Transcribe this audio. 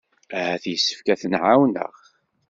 Ahat yessefk ad ten-ɛawneɣ.